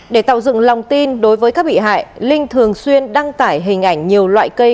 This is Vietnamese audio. để tạo dựng lòng tin đối với các bị hại linh thường xuyên đăng tải hình ảnh nhiều loại cây